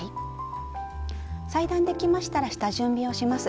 裁断できましたら下準備をします。